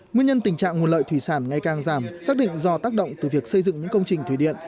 nguyên nhân tình trạng nguồn lợi thủy sản ngày càng giảm xác định do tác động từ việc xây dựng những công trình thủy điện